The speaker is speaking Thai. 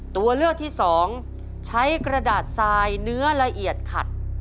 ตัวเลือกที่สองใช้กระดาษทรายเนื้อละเอียดขัด